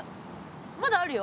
まだあるよ。